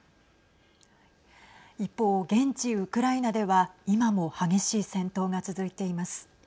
一方、現地ウクライナでは今も激しい戦闘が続いています。